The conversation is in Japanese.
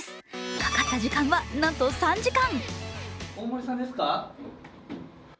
かかった時間は、なんと３時間。